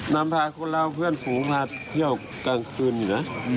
นำพาคนราวเพื่อนผู้พาเที่ยวกลางคืนอยู่นะ